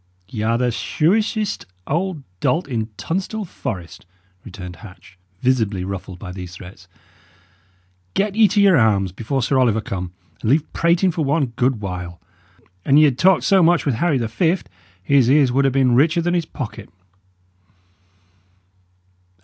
"Y' are the shrewishest old dolt in Tunstall Forest," returned Hatch, visibly ruffled by these threats. "Get ye to your arms before Sir Oliver come, and leave prating for one good while. An ye had talked so much with Harry the Fift, his ears would ha' been richer than his pocket."